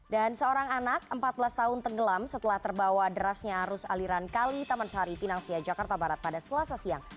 dan seorang anak empat belas tahun tenggelam setelah terbawa derasnya arus aliran kali taman sari pinangsiaya jakarta barat pada selasa siang